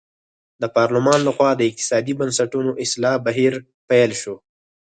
د پارلمان له خوا د اقتصادي بنسټونو اصلاح بهیر پیل شو.